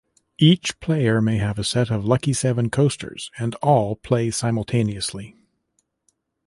Each player may have a set of Lucky Seven coasters and all play simultaneously.